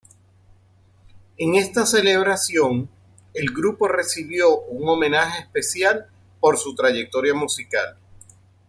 En esta celebración, el grupo recibió un homenaje especial por su trayectoria musical.